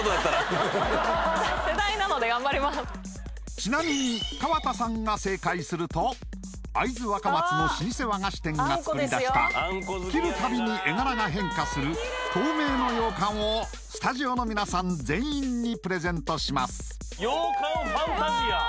ちなみに川田さんが正解すると会津若松の老舗和菓子店が作り出した切るたびに絵柄が変化する透明の羊羹をスタジオの皆さん全員にプレゼントします羊羹ファンタジア！